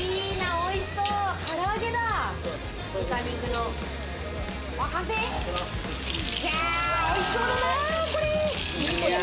おいしそうだな、これ。